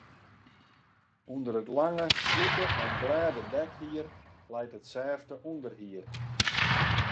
Under it lange, slûke en glêde dekhier leit it sêfte ûnderhier.